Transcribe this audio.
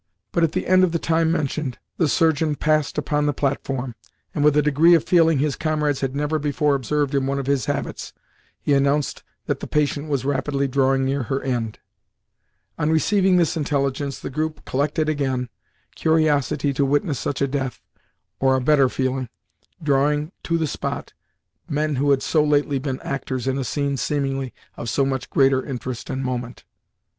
But, at the end of the time mentioned, the Surgeon passed upon the platform, and with a degree of feeling his comrades had never before observed in one of his habits, he announced that the patient was rapidly drawing near her end. On receiving this intelligence the group collected again, curiosity to witness such a death or a better feeling drawing to the spot men who had so lately been actors in a scene seemingly of so much greater interest and moment.